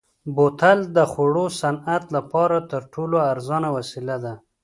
بوتل د خوړو صنعت لپاره تر ټولو ارزانه وسیله ده.